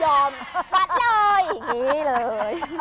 อย่างงี้เลย